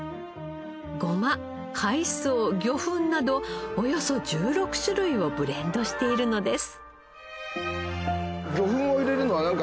ゴマ海藻魚粉などおよそ１６種類をブレンドしているのです。